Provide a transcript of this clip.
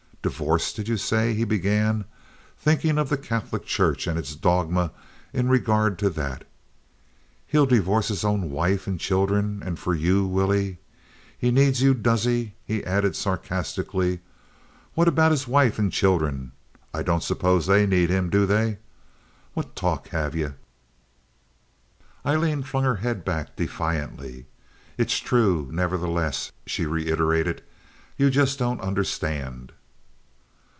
"Divorce, did you say," he began, thinking of the Catholic Church and its dogma in regard to that. "He'll divorce his own wife and children—and for you, will he? He needs you, does he?" he added, sarcastically. "What about his wife and children? I don't suppose they need him, do they? What talk have ye?" Aileen flung her head back defiantly. "It's true, nevertheless," she reiterated. "You just don't understand."